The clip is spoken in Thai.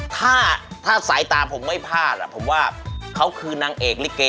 ถ้าสายตาผมไม่พลาดผมว่าเขาคือนางเอกลิเก